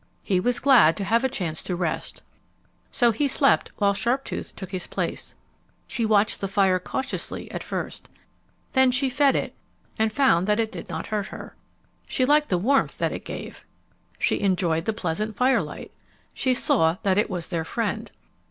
He was glad to have a chance to rest. So he slept while Sharptooth took his place. She watched the fire cautiously at first. Then she fed it and found that it did not hurt her. [Illustration: "They lived by fire at the foot of the tree"] She liked the warmth that it gave. She enjoyed the pleasant firelight. She saw that it was their friend.